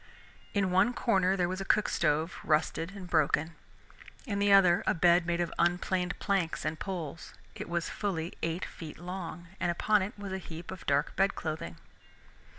In one corner there was a cook stove, rusted and broken. In the other a bed made of unplaned planks and poles. It was fully eight feet long, and upon it was a heap of dark bed clothing.